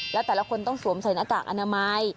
และแต่ละคนต้องสวมใส่หน้ากากอนามัย